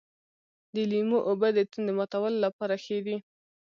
د لیمو اوبه د تندې ماتولو لپاره ښې دي.